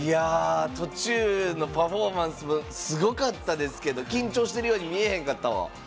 途中のパフォーマンスもすごかったですけど緊張してるように見えへんかったわ。